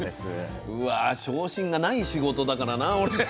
うわ昇進がない仕事だからな俺。